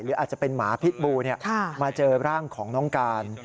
อาจจะเป็นหมาพิษบูมาเจอร่างของน้องการ